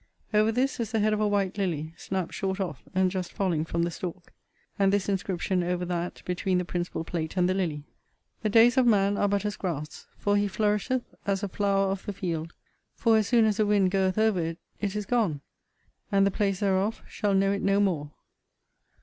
Over this is the head of a white lily snapt short off, and just falling from the stalk; and this inscription over that, between the principal plate and the lily: The days of man are but as grass. For he flourisheth as a flower of the field: for, as soon as the wind goeth over it, it is gone; and the place thereof shall know it no more.